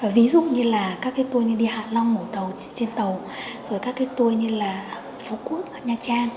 ví dụ như là các tuôi đi hạ long ngủ trên tàu rồi các tuôi như là phú quốc nha trang